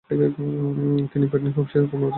তিনি পেটেন্ট অফিসে কর্মরত ছিলেন।